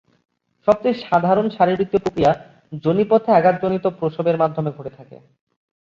সবচেয়ে সাধারণ শারীরবৃত্তীয় প্রক্রিয়া যোনিপথে আঘাতজনিত প্রসবের মাধ্যমে ঘটে থাকে।